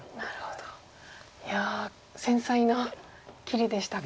いや繊細な切りでしたか。